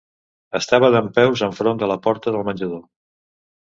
Estava dempeus enfront de la porta del menjador.